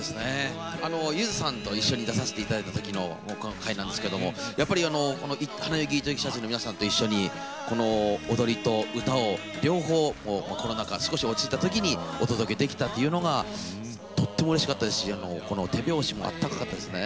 ゆずさんと一緒に出させていただいたんですけれども花柳糸之社中の皆さんと一緒に踊りと歌を両方コロナが少し落ち着いた時にお届けできたのがとてもうれしかったですし手拍子も温かかったですね。